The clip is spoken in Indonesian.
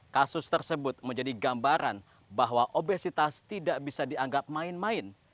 kasus tersebut menjadi gambaran bahwa obesitas tidak bisa dianggap main main